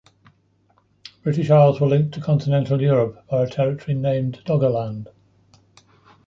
British Isles were linked to continental Europe by a territory named Doggerland.